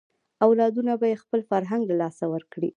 اولادونه به یې خپل فرهنګ له لاسه ورکړي.